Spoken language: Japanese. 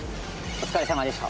お疲れさまでした。